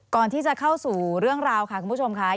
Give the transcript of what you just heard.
ก่อนที่จะเข้าสู่เรื่องราวค่ะคุณผู้ชมค่ะ